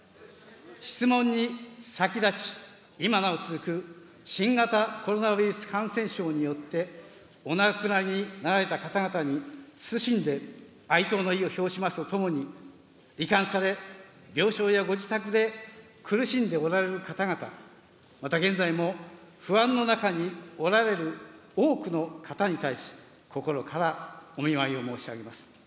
質問に先立ち、今なお続く新型コロナウイルス感染症によってお亡くなりになられた方々に、謹んで哀悼の意を表しますとともに、り患され、病床やご自宅で苦しんでおられる方々、また現在も不安の中におられる多くの方に対し、心からお見舞いを申し上げます。